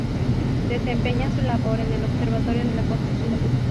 Desempeña su labor en el Observatorio de la Costa Azul.